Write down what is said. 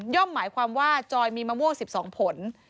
หมายความว่าจอยมีมะม่วง๑๒ผล